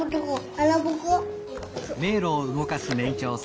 あなぼこ？